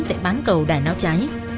tại bán cầu đài náo cháy